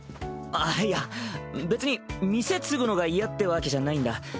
あっいや別に店継ぐのが嫌ってわけじゃないんだ。